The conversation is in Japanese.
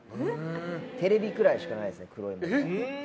テレビくらいしかないです黒いもの。